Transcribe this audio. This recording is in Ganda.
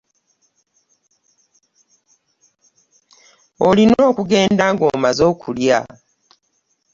Olina okugenda nga omaze okulya.